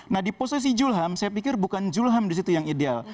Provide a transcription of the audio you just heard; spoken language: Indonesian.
nah di posisi julham saya pikir bukan julham disitu yang ideal